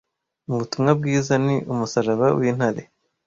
Mubutumwa bwiza ni umusaraba w'intare